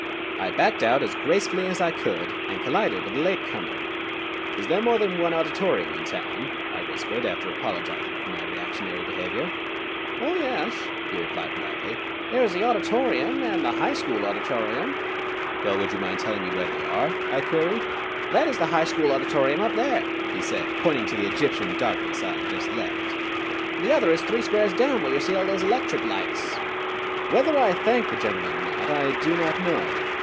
I backed out as gracefully as I could, and collided with a late comer. "Is there more than one Auditorium in town?" I whispered, after apologizing for my reactionary behavior. "Oh, yes," he replied politely, "there is the Auditorium, and the High School Auditorium." [Illustration: "I found the building wholly dark."] "Well, would you mind telling me where they are?" I queried. "That is the High School Auditorium up there," he said, pointing to the Egyptian darkness I had just left. "The other is three squares down, where you see all those electric lights." Whether I thanked the gentleman or not I do not know.